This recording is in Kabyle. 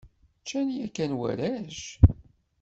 Ččan yakan warrac?